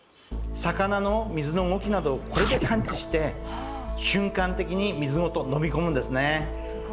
魚の水の動きなどをこれで感知して瞬間的に水ごと飲み込むんですね。